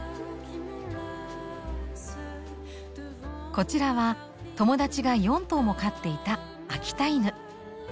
こちらは友だちが４頭も飼っていた秋田犬。